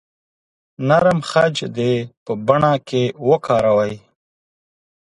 نرم خج دې په بڼه کې وکاروئ.